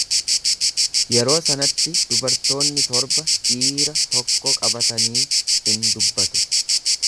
Yeroo sanatti dubartoonni torba dhiira tokko qabatanii in dubbatu.